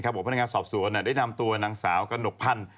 พนักงานสอบสวนได้นำตัวนางสาวกระหนกพันธ์